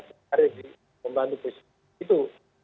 dari pembantu posisi itu